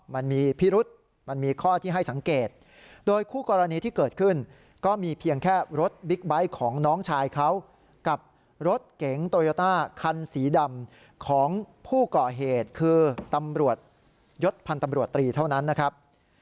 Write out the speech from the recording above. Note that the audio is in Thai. มันมีพิรุษมันมีข้อที่ให้สังเกตโดยคู่กรณีที่เกิดขึ้นก็มีเพียงแค่รถบิ๊กไบท์ของน้องชายเขากับรถเก๋งโตโยต้าคันสีดำของผู้ก่อเหตุคือตำรวจยศพันธ์ตำรวจตรีเท่านั้นนะครับ